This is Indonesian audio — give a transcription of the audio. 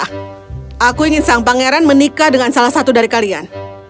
besar perlu pesta aku ingin sang pangeran menikah dengan salah satu dari kalian